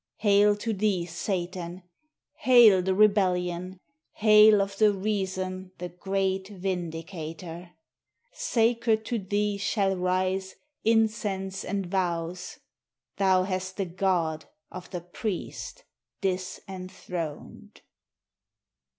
Hail to thee, Satan; Hail the rebellion! Hail, of the reason the Great Vindicator! Sacred to thee shall rise Incense and vows. Thou hast the god Of the priest disenthroned!